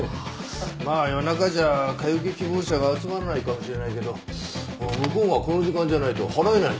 まあ夜中じゃ買い受け希望者が集まらないかもしれないけど向こうがこの時間じゃないと払えないっていうならねえ。